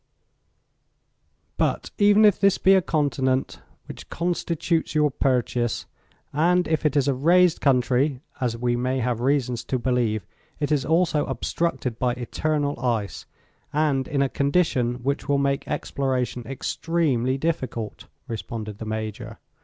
"But, even if this be a continent, which constitutes your purchase, and if it is a raised country, as we may have reasons to believe, it is also obstructed by eternal ice, and in a condition which will make exploration extremely difficult," responded the Major.